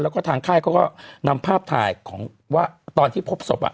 แล้วก็ทางค่ายเขาก็นำภาพถ่ายของว่าตอนที่พบศพ